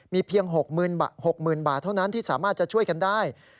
มีเพียง๖๐๐๐บาทเท่านั้นที่สามารถจะช่วยกันได้